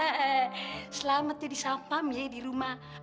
hahaha selamatnya di sampam ya di rumah